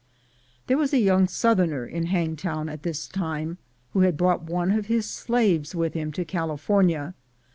There was a young Southerner in Hangtow^n at this time, who had brought one of his slaves with him to California.